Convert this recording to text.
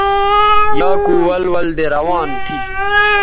یا کو ول ول دے روان تھی